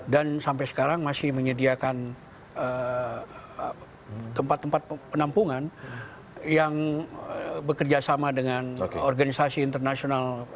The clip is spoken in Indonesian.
dan sampai sekarang masih menyediakan tempat tempat penampungan yang bekerjasama dengan organisasi internasional